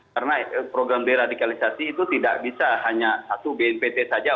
karena program deradikalisasi itu tidak bisa hanya satu bnpt saja